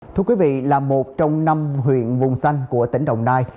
thưa quý vị là một trong năm huyện vùng xanh của tỉnh đồng nai